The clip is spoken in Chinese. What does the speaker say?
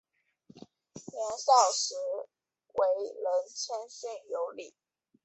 年少时为人谦逊有礼。